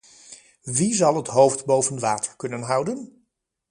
Wie zal het hoofd boven water kunnen houden?